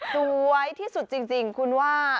สวยที่สุดจริงคุณว่า